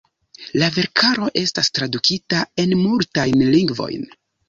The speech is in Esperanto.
Lia verkaro estas tradukita en multajn lingvojn.